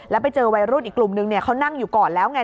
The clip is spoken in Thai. แล้วไปเจอวัยรุ่นอีกกลุ่มนึงเขานั่งอยู่ก่อนแล้วไง